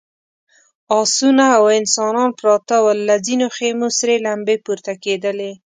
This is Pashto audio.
آسونه او انسانان پراته ول، له ځينو خيمو سرې لمبې پورته کېدلې….